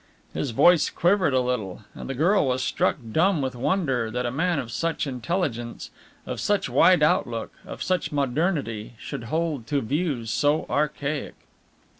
His voice quivered a little, and the girl was struck dumb with wonder that a man of such intelligence, of such a wide outlook, of such modernity, should hold to views so archaic.